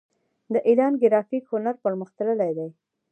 د ایران ګرافیک هنر پرمختللی دی.